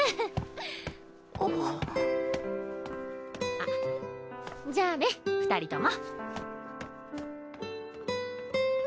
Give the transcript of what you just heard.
あっじゃあね２人とも！